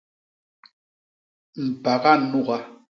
Mpaga nuga.